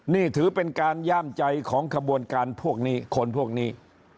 นี่ถือเป็นการย่ามใจของขบวนการพวกนี้คนพวกนี้